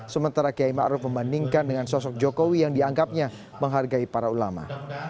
sementara kiai ⁇ maruf ⁇ membandingkan dengan sosok jokowi yang dianggapnya menghargai para ulama